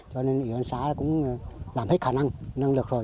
cho nên ủy ban xã cũng làm hết khả năng năng lực rồi